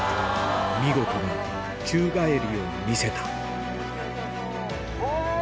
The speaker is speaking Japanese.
見事な宙返りを見せたおぉ！